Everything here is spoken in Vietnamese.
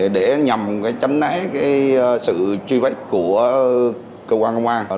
để nhằm tránh nãy sự truy vết của cơ quan công an